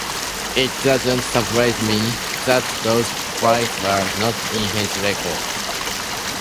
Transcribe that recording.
It doesn't surprise me that those flights were not in his record.